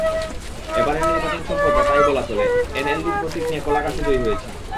এবারের নির্বাচন সম্পর্কে তাই বলা চলে, এনএলডির প্রতীক নিয়ে কলাগাছও জয়ী হয়েছে।